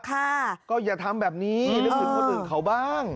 ค่ะก็อย่าทำแบบนี้นึกถึงคนอื่นเขาบ้าง